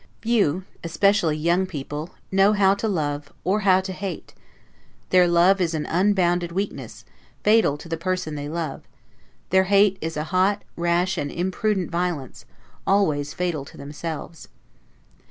Few, (especially young) people know how to love, or how to hate; their love is an unbounded weakness, fatal to the person they love; their hate is a hot, rash, and imprudent violence, always fatal to themselves.